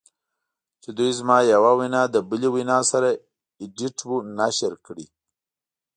چې دوی زما یوه وینا له بلې وینا سره ایډیټ و نشر کړې